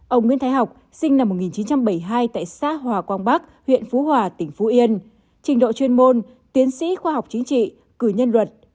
ông nguyễn thái học sinh năm một nghìn chín trăm bảy mươi hai tại xã hòa quang bắc huyện phú hòa tỉnh phú yên trình độ chuyên môn tiến sĩ khoa học chính trị cử nhân luật